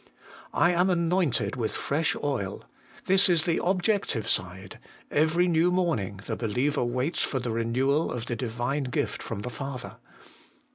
' I am anointed with fresh oil,' this is the objective side ; every new morning the believer waits for the renewal of the Divine gift from the Father.